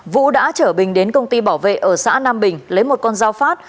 vũ đã chở bình đến công ty bảo vệ ở xã nam bình lấy một con dao phát